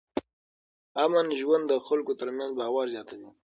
امن ژوند د خلکو ترمنځ باور زیاتوي.